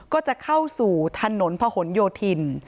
ก็จะเข้าสู่ถนนพะหนโยธิน